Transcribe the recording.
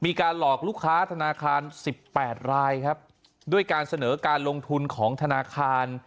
มีการหลอกลูกค้าธนาคารสิบแปดรายครับด้วยการเสนอการลงทุนของธนาคาร